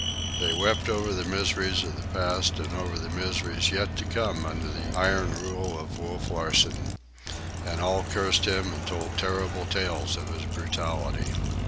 They wept over the miseries of the past and over the miseries yet to come under the iron rule of Wolf Larsen. And all cursed him and told terrible tales of his brutality.